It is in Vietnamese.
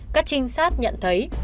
các trinh sát nhận thấy